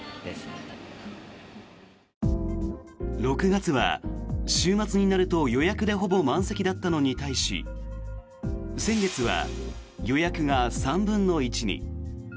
６月は週末になると予約でほぼ満席だったのに対し先月は予約が３分の１に。